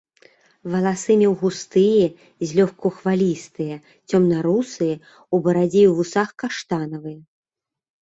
Валасы меў густыя, злёгку хвалістыя, цёмна-русыя, у барадзе і вусах каштанавыя.